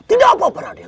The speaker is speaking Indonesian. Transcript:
tidak apa apa raden